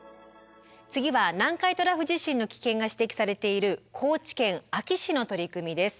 次は南海トラフ地震の危険が指摘されている高知県安芸市の取り組みです。